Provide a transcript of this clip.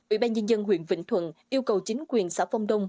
ủy ban nhân dân huyện vĩnh thuận yêu cầu chính quyền xã phong đông